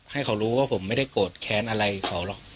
ให้เขารู้ว่าผมไม่ได้โกรธแค้นอะไรเขาหรอก